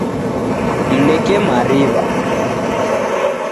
Mneke mariwa.